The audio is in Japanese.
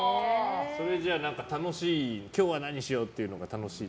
今日は何しようっていうのが楽しい。